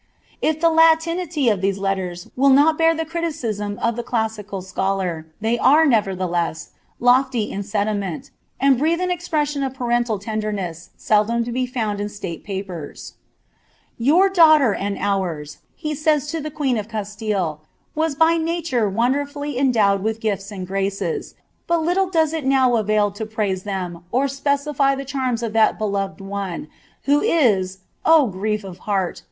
If (he Latinity of these letters will not bear the eritieism of the classical scholar, they are, nevertheless, lofty in Mali* ment, and breathe an expression of parental tenJemesa seldom to In found in stale papen, "Your daughter and ours," he says to the queen ofCbstille, ''was by nature wonderfully endowed with gifts and irraces, but little doM it nnv avail to praise them, or specily the charms of that beloved one, wlm ti — 0 grief of heart